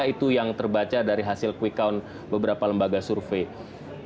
karena itu yang terbaca dari hasil quick count beberapa lembaga survei